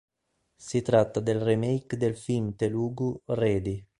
Si tratta del remake del film telugu Ready.